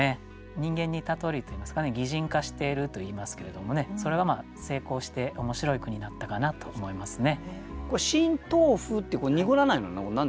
人間にたとえるといいますかね擬人化しているといいますけれどもねそれが成功して面白い句になったかなと思いますね。